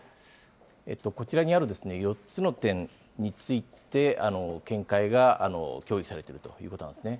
こちらにあるですね、４つの点について、見解が協議されているということなんですね。